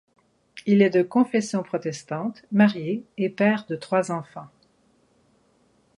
Il est de confession protestante, marié et père de trois enfants.